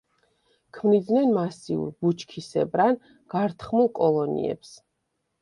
ქმნიდნენ მასიურ, ბუჩქისებრ ან გართხმულ კოლონიებს.